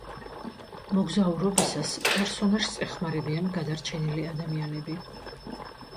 მოგზაურობისას პერსონაჟს ეხმარებიან გადარჩენილი ადამიანები.